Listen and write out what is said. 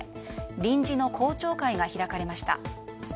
臨時の校長会が開かれました。